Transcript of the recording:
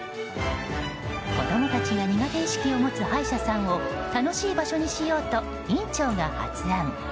子供たちが苦手意識を持つ歯医者さんを楽しい場所にしようと院長が発案。